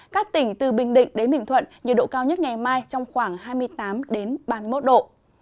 các tỉnh từ bình định đến bình thuận nhiệt độ cao nhất ngày mai trong khoảng hai mươi tám ba mươi một độ